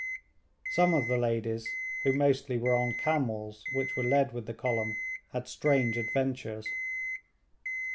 Some of the ladies, who mostly were on camels which were led with the column, had strange adventures.